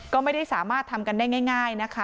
ก็ไม่ได้สามารถทำกันได้ง่ายนะคะ